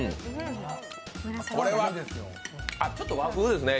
これはちょっと和風ですね。